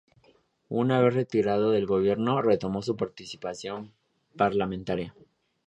Una vez retirado del gobierno, retomó su participación parlamentaria.